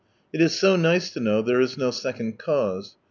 It is so nice to know there is no second cause.